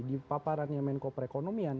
di paparan yemenko perekonomian